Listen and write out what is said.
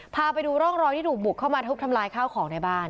พาไปดูร่องรอยที่ถูกบุกเข้ามาทุบทำลายข้าวของในบ้าน